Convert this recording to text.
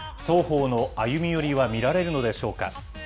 双方の歩み寄りは見られるのでしょうか。